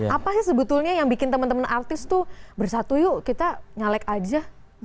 apa sih sebetulnya yang bikin teman teman artis tuh bersatu yuk kita nyalek aja